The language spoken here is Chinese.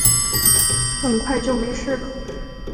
很快就没事了